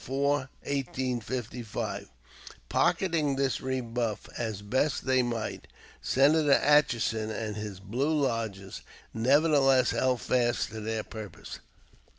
4, 1855.] Pocketing this rebuff as best they might, Senator Atchison and his "Blue Lodges" nevertheless held fast to their purpose.